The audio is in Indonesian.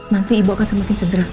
nanti ibu akan semakin cedera